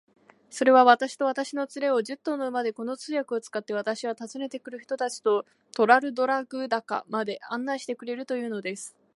それは、私と私の連れを、十頭の馬で、この通訳を使って、私は訪ねて来る人たちとトラルドラグダカまで案内してくれるというのです。